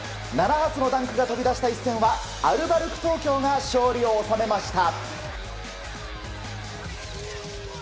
７発のダンクが飛び出した一戦はアルバルク東京が勝利を収めました。